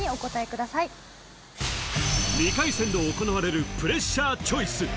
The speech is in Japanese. ください２回戦で行われるプレッシャーチョイス